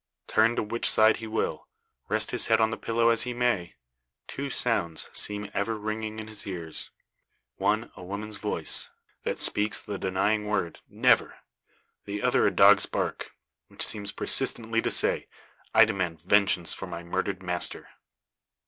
Turn to which side he will, rest his head on the pillow as he may, two sounds seem ever ringing in his ears one, a woman's voice, that speaks the denying word, "Never!" the other, a dog's bark, which seems persistently to say, "I demand vengeance for my murdered master!"